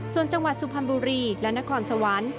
ส่วนจังหวัดสุพรรณบุรีและนครสวรรค์